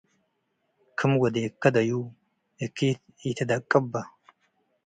ክም ወዴከ ደዩ - እኪት ኢትደቅበ